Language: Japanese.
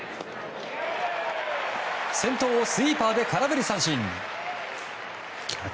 先頭をスイーパーで空振り三振。